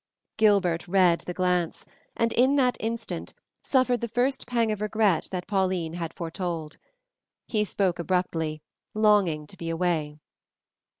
Gilbert read the glance, and in that instant suffered the first pang of regret that Pauline had foretold. He spoke abruptly, longing to be away.